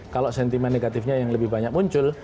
kalau sentimen negatifnya yang lebih banyak muncul